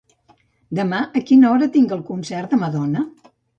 Demà a quina hora tinc el concert de Madonna?